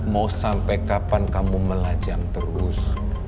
mau sampai kapan kamu melajang terus